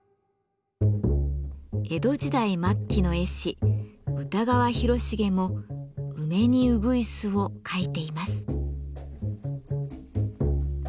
江戸時代末期の絵師歌川広重も「梅にうぐいす」を描いています。